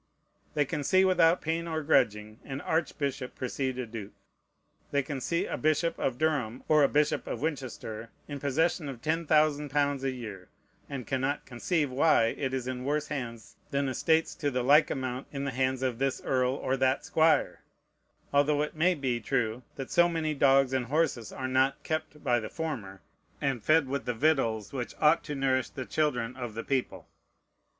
They can see, without pain or grudging, an archbishop precede a duke. They can see a bishop of Durham or a bishop of Winchester in possession of ten thousand pounds a year, and cannot conceive why it is in worse hands than estates to the like amount in the hands of this earl or that squire; although it may be true that so many dogs and horses are not kept by the former, and fed with the victuals which ought to nourish the children of the people.